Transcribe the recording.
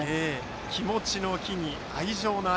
気持ちの「気」に愛情の「愛」。